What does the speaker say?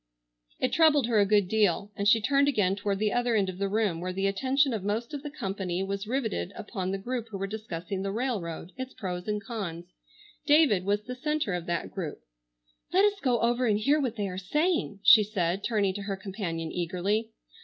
It troubled her a good deal, and she turned again toward the other end of the room, where the attention of most of the company was riveted upon the group who were discussing the railroad, its pros and cons. David was the centre of that group. "Let us go over and hear what they are saying," she said, turning to her companion eagerly.